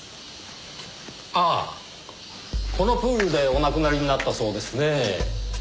ああこのプールでお亡くなりになったそうですねぇ。